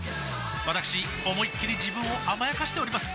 わたくし思いっきり自分を甘やかしております